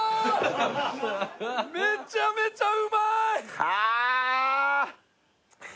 めちゃめちゃうまい！